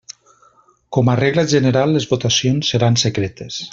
Com a regla general les votacions seran secretes.